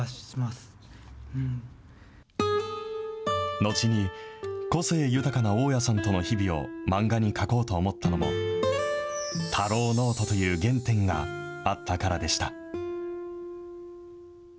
後に個性豊かな大家さんとの日々を漫画に描こうと思ったのも、たろうノートという原点があったからでした。